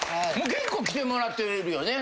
結構来てもらってるよね？